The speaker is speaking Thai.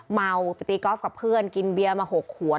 เมาไปตีกอล์ฟกับเพื่อนกินเบียร์มา๖ขวด